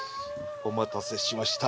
お待たせしました。